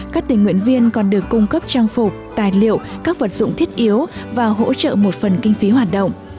các tình nguyện viên còn được cung cấp trang phục tài liệu các vật dụng thiết yếu và hỗ trợ một phần kinh phí hoạt động